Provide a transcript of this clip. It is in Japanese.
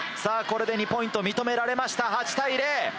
これで２ポイント認められました８対０。